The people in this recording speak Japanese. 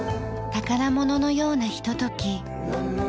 宝物のようなひととき。